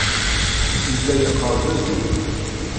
Yella yeqqar-d "azul".